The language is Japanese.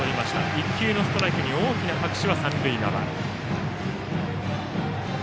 １球のストライクに大きな拍手は三塁側です。